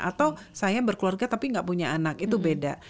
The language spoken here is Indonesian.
atau saya berkeluarga tapi nggak punya anak itu beda